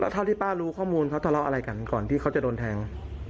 เท่าที่ป้ารู้ข้อมูลเขาทะเลาะอะไรกันก่อนที่เขาจะโดนแทง